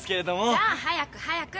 じゃあ早く早く。